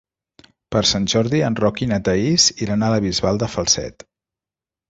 Per Sant Jordi en Roc i na Thaís iran a la Bisbal de Falset.